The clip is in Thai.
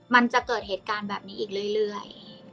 มันจะเกิดเหตุการณ์แบบนี้อีกเรื่อย